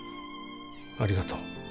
ありがとう